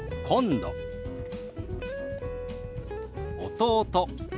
「弟」。